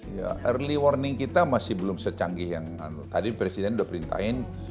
early warning kita masih belum secanggih yang tadi presiden udah perintah